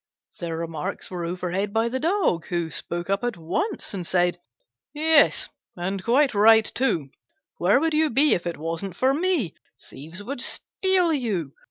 Their remarks were overheard by the Dog, who spoke up at once and said, "Yes, and quite right, too: where would you be if it wasn't for me? Thieves would steal you!